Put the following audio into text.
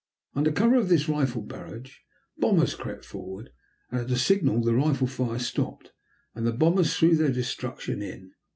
Under cover of this rifle barrage, bombers crept forward, and at a signal the rifle fire stopped, and the bombers threw their destruction in.